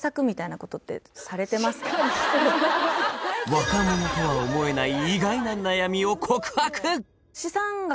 若者とは思えない意外な悩みを告白！